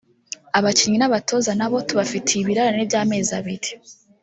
Abakinnyi n’abatoza na bo tubafitiye ibirarane by’amezi abiri